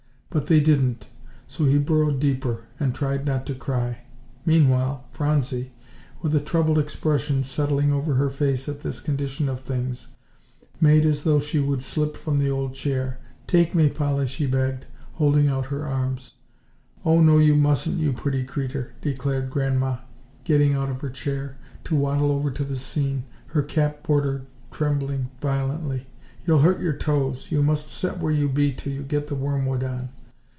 But they didn't; so he burrowed deeper, and tried not to cry. Meanwhile Phronsie, with a troubled expression settling over her face at this condition of things, made as though she would slip from the old chair. "Take me, Polly," she begged, holding out her arms. "Oh, no, you mustn't, you pretty creeter," declared Grandma, getting out of her chair to waddle over to the scene, her cap border trembling violently, "you'll hurt your toes. You must set where you be till you get the wormwood on."